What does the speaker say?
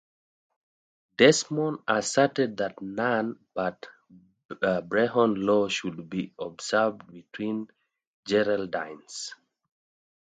Desmond asserted that none but Brehon law should be observed between Geraldines.